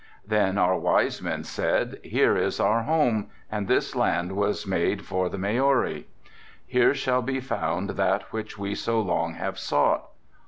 Then our wise men said, 'Here is our home and this land was made for the Maori. Here shall be found that which we so long have sought.